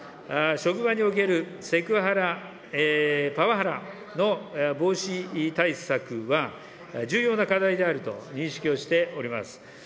職場におけるセクハラ、パワハラの防止対策は、重要な課題であると認識をしております。